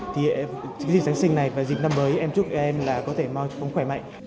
thì dịp giáng sinh này và dịp năm mới em chúc các em có thể mong khỏe mạnh